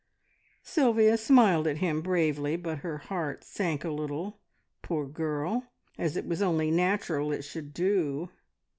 Sylvia smiled at him bravely, but her heart sank a little, poor girl, as it was only natural it should do.